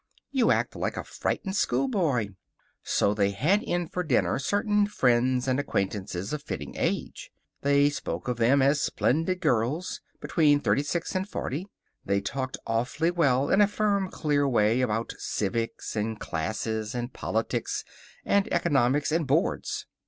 You act like a frightened schoolboy." So they had in for dinner certain friends and acquaintances of fitting age. They spoke of them as "splendid girls." Between thirty six and forty. They talked awfully well, in a firm, clear way, about civics, and classes, and politics, and economics, and boards.